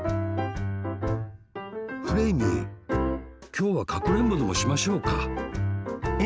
きょうはかくれんぼでもしましょうかえ？